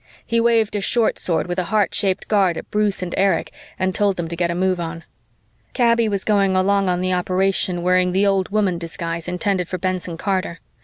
He waved a short sword with a heart shaped guard at Bruce and Erich and told them to get a move on. Kaby was going along on the operation wearing the old woman disguise intended for Benson Carter.